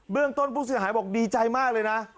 เรื่องต้นผู้เสียหายบอกดีใจมากเลยนะ